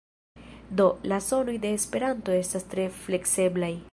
Do, la sonoj de esperanto estas tre flekseblaj.